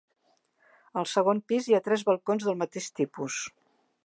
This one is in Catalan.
Al segon pis hi ha tres balcons del mateix tipus.